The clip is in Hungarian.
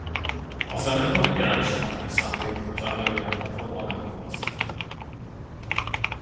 A zenekar igen elismertnek számít az underground metalban Európa-szerte.